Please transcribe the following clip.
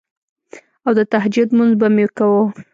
او د تهجد مونځ به مې کوو